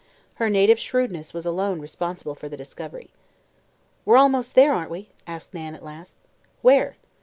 Her native shrewdness was alone responsible for the discovery. "We're almost there, aren't we?" asked Nan at last. "Where?"